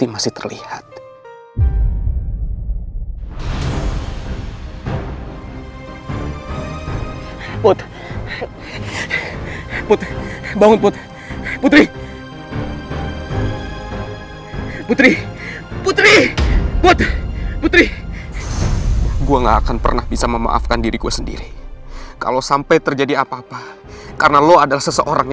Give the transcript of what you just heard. mas tunggu dulu disini